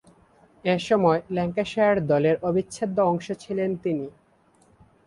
এ সময়ে ল্যাঙ্কাশায়ার দলের অবিচ্ছেদ্য অংশ ছিলেন তিনি।